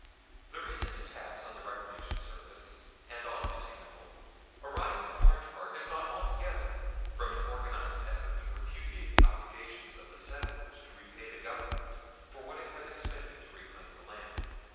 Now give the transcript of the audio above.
The recent attacks on the Reclamation Service, and on Mr. Newell, arise in large part, if not altogether, from an organized effort to repudiate the obligation of the settlers to repay the Government for what it has expended to reclaim the land.